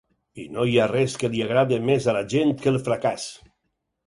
I no hi ha res que li agradi més a la gent que el fracàs.